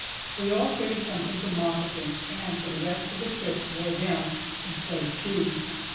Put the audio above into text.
We all traded something for moccasins and for the rest of the trip wore them instead of shoes.